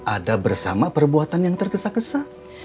ada bersama perbuatan yang tergesa gesa